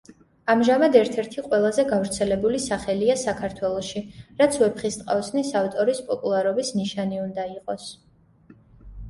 ამჟამად ერთ-ერთი ყველაზე გავრცელებული სახელია საქართველოში, რაც „ვეფხისტყაოსნის“ ავტორის პოპულარობის ნიშანი უნდა იყოს.